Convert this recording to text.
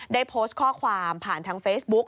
ได้โพสต์ข้อความผ่านทางเฟซบุ๊ก